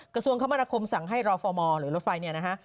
กระทรวงคมนาคมสั่งให้รอฟอร์มอลหรือรถไฟเนี่ยนะฮะ